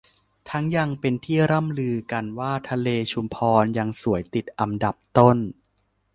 ทั้งยังเป็นที่ร่ำลือกันว่าทะเลชุมพรยังสวยติดอันดับต้น